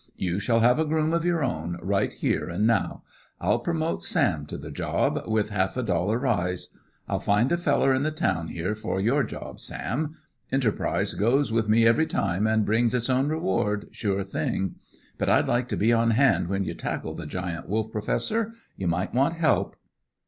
"You shall have a groom of your own, right here an' now. I'll promote Sam to the job, with half a dollar rise. I'll find a feller in the town here for your job, Sam. Enterprise goes with me every time, an' brings its own reward sure thing. But I'd like to be on hand when you tackle the Giant Wolf, Professor. You might want help."